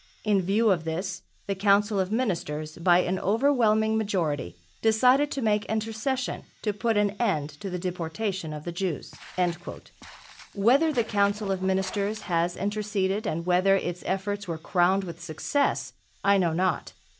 In view of this the council of Ministers, by an overwhelming majority, decided to make intercession to put an end to the deportation of the Jews." Whether the Council of Ministers has interceded and whether its efforts were crowned with success, I know not.